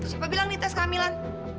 siapa bilang nih tes kehamilan